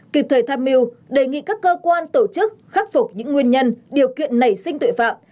kịp thời tham mưu đề nghị các cơ quan tổ chức khắc phục những nguyên nhân điều kiện nảy sinh tội phạm